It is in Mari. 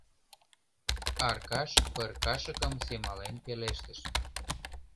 — Аркаш пыркашыкым семален пелештыш.